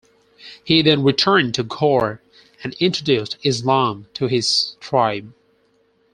He then returned to Ghor and introduced Islam to his tribe.